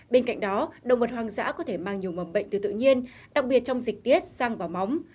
bên cạnh đó động vật hoang dã có thể mang nhiều mầm bệnh từ tự nhiên đặc biệt trong dịch tiết sang và móng